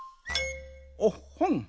おっほん！